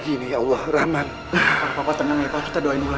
iya mau ke toilet lah